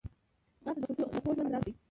ځغاسته د خوږ ژوند راز دی